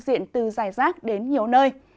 diện từ dài rác đến nhiều nơi